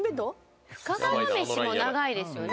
深川めしも長いですよね。